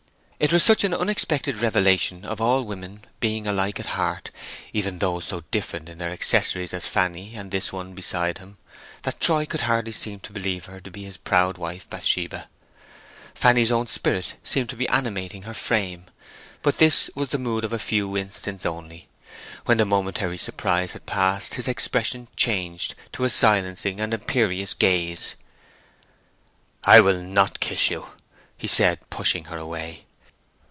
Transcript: It was such an unexpected revelation of all women being alike at heart, even those so different in their accessories as Fanny and this one beside him, that Troy could hardly seem to believe her to be his proud wife Bathsheba. Fanny's own spirit seemed to be animating her frame. But this was the mood of a few instants only. When the momentary surprise had passed, his expression changed to a silencing imperious gaze. "I will not kiss you!" he said pushing her away.